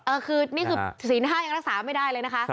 อันนี้คือศีลห้ายังรักษาไม่ได้เลยนะคะ